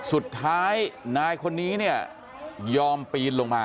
สุดท้ายนายคนนี้เนี่ยยอมปีนลงมา